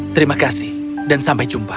terima kasih dan sampai jumpa